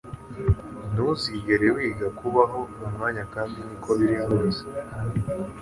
ntuzigere wiga kubaho mumwanya kandi niko biri rwose